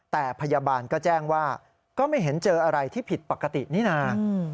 แต่พยาบาลก็แจ้งว่าก็ไม่เห็นเจออะไรที่ผิดปกตินี่นะ